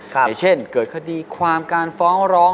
อย่างเช่นเกิดคดีความการฟ้องร้อง